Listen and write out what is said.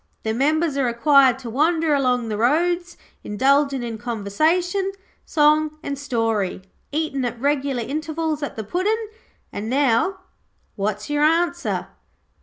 The members are required to wander along the roads, indulgin' in conversation, song and story, eatin' at regular intervals at the Puddin'. And now, what's your answer?'